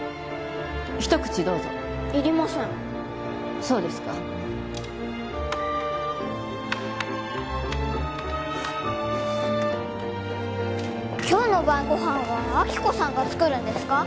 一口どうぞいりませんそうですか今日の晩ごはんは亜希子さんが作るんですか？